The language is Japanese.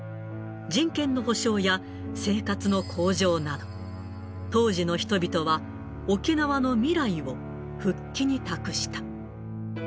人権の保障や生活の向上など、当時の人々は、沖縄の未来を復帰に託した。